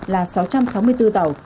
là sáu trăm sáu mươi bốn tàu